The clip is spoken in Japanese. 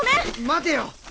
待てよ！